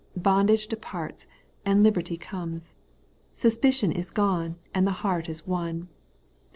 Bondage de parts, and liberty comes. Suspicion is gone, and the heart is won.